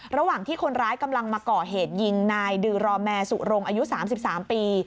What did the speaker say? ระหว่างที่คนร้ายกำลังมาก่อเหตุยิงนายดือรอแมร์สุรงอายุ๓๓ปี